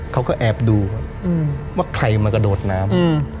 เขาก็แอบดูครับว่าใครมากระโดดน้ำ